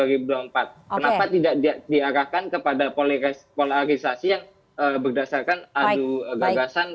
kenapa tidak diarahkan kepada polarisasi yang berdasarkan adu gagasan